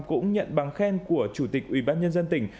cũng nhận bằng khen của chủ tịch ủy ban nhân dân tỉnh